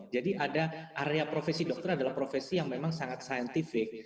jadi ada area profesi dokter adalah profesi yang memang sangat scientific